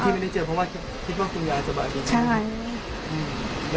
ทีไม่ได้เจอเพราะว่าคุณยายสบายดีใช่